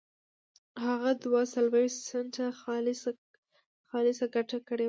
هغه دوه څلوېښت سنټه خالصه ګټه کړې وه.